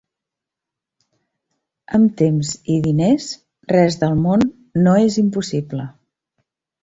Amb temps i diners, res del món no és impossible.